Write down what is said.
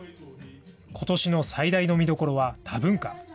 ことしの最大の見どころは多文化。